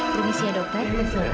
permisi ya dokter